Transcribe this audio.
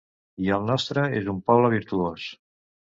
I el nostre és un poble virtuós.